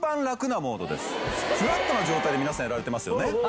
フラットな状態で皆さんやられてますよね。